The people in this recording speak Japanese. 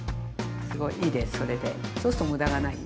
すごいいいですそれで。